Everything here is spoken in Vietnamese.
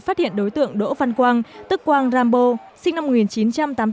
phát hiện đối tượng đỗ văn quang tức quang rambo sinh năm một nghìn chín trăm tám mươi bốn